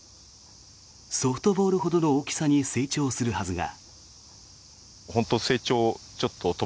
ソフトボールほどの大きさに成長するはずが。